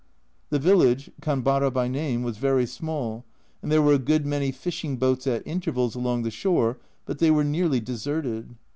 The village Kanbara by name was very small, and there were a good many fishing boats at intervals along the shore, but they were nearly deserted.